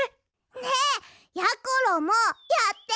ねえやころもやって！